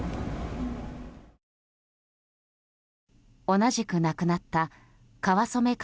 同じく亡くなった川染凱